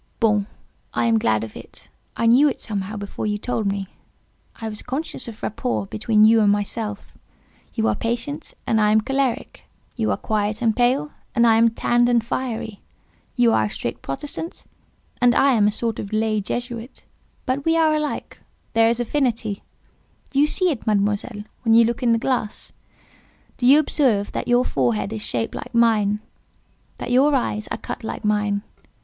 "Bon! I am glad of it. I knew it, somehow; before you told me. I was conscious of rapport between you and myself. You are patient, and I am choleric; you are quiet and pale, and I am tanned and fiery; you are a strict Protestant, and I am a sort of lay Jesuit: but we are alike—there is affinity between us. Do you see it, Mademoiselle, when you look in the glass? Do you observe that your forehead is shaped like mine—that your eyes are cut like mine?